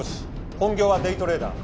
本業はデイトレーダー。